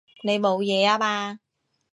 你冇嘢啊嘛？